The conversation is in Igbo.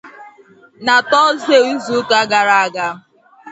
Na Tọzdee izuụka garaaga